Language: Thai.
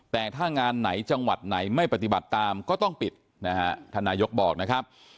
แต่ถ้างานไหนจังหวัดไหนไม่ปฏิบัติตามก็ต้องปิดนะฮะท่านนายกบอกนะครับ